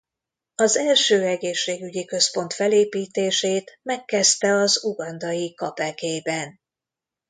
Az első egészségügyi központ felépítését megkezdte az ugandai Kapekében.